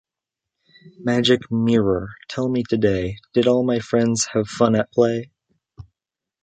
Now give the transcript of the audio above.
Magic Mirror, tell me today, did all my friends have fun at play?